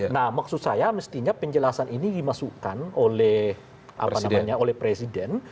nah maksud saya mestinya penjelasan ini dimasukkan oleh presiden